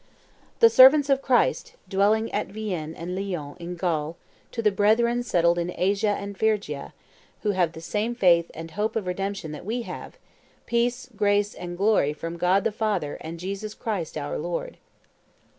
"The servants of Christ, dwelling at Vienne and Lyons in Gaul, to the brethren settled in Asia and Phrygia, who have the same faith and hope of redemption that we have, peace, grace, and glory from God the Father and Jesus Christ our Lord!